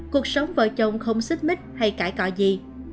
cuộc sống vợ chồng không xích mít hay cải cọ gì